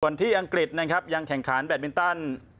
ส่วนที่อังกฤษนะครับยังแข่งขันแบตมินตัน